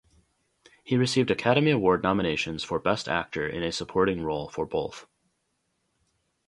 He received Academy Award nominations for Best Actor in a Supporting Role for both.